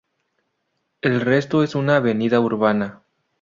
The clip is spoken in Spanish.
El resto es una avenida urbana.